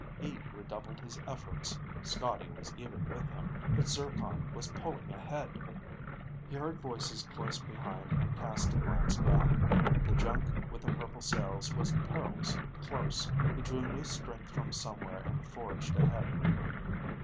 He redoubled his efforts. Scotty was even with him, but Zircon was pulling ahead. He heard voices close behind and cast a glance back. The junk with the purple sails was perilously close. He drew new strength from somewhere and forged ahead.